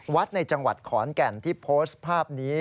วัดในจังหวัดขอนแก่นที่โพสต์ภาพนี้